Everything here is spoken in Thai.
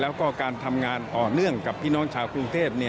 แล้วก็การทำงานต่อเนื่องกับพี่น้องชาวกรุงเทพ